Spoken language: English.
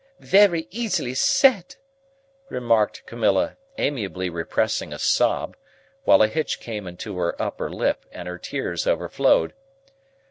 "Very easily said!" remarked Camilla, amiably repressing a sob, while a hitch came into her upper lip, and her tears overflowed.